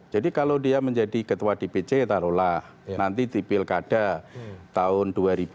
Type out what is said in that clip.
jadi kalau dia menjadi ketua dpc taruhlah nanti di pilkada tahun dua ribu dua puluh